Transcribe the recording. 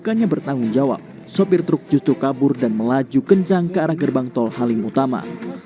bukannya bertanggung jawab sopir truk justru kabur dan melaju kencang ke arah gerbang tol halim utama